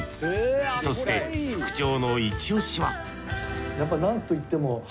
そして副長のイチオシは？